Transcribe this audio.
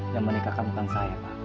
dan menikahkan bukan saya pak